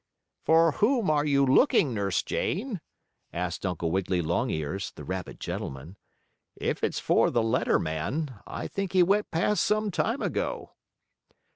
"For whom are you looking, Nurse Jane?" asked Uncle Wiggily Longears, the rabbit gentleman. "If it's for the letter man, I think he went past some time ago."